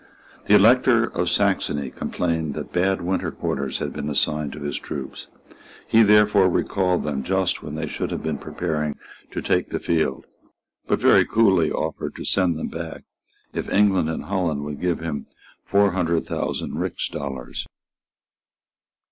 The Elector of Saxony complained that bad winter quarters had been assigned to his troops; he therefore recalled them just when they should have been preparing to take the field, but very coolly offered to send them back if England and Holland would give him four hundred thousand rixdollars.